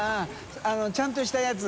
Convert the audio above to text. ちゃんとしたやつ！